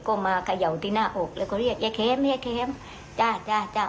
ก็มาเขย่าที่หน้าอกแล้วก็เรียกยายเข็มยายเข็มจ้าจ้าจ้า